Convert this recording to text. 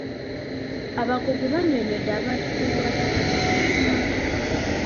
Abakugu bannyonnyodde abantu ku bikwata ku ttaka mu ggwanga.